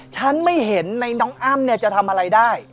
ฉันไม่เห็นในน้องอ้ำเนี่ยจะทำอะไรได้